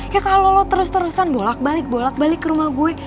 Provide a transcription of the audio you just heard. ya kalo lo terus terusan bolak balik ke rumah gue